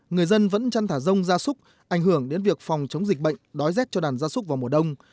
người dân vẫn chăn thả rông gia súc ảnh hưởng đến việc phòng chống dịch bệnh đói rét cho đàn gia súc vào mùa đông